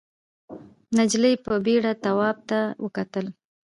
نجلۍ په بېره تواب ته وکتل.